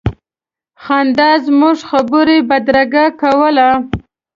خندا زموږ خبرو بدرګه کوله.